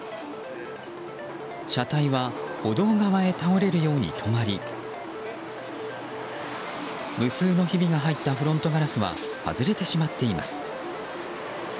車体は歩道側へ倒れるように止まり無数のひびが入ったフロントガラスは外れてしまっています。